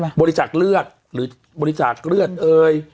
ใช่ไหมบริจักษ์เลือดหรือบริจักษ์เลือดเอ่ย